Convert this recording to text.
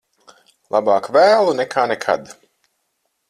Labāk vēlu nekā nekad.